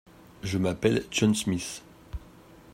Je m’appelle John Smith.